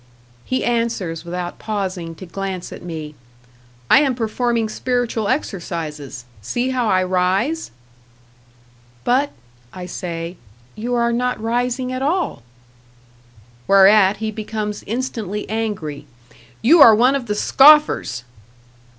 He answers, without pausing to glance at me, "I am performing spiritual exercises. See how I rise?" "But," I say, "you are not rising at all!" Whereat he becomes instantly angry. "You are one of the scoffers!"